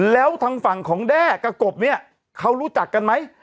แล้วทางฝั่งของแด้กับกบเนี่ยเขารู้จักกันไหม